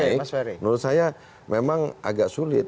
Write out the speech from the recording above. menurut saya memang agak sulit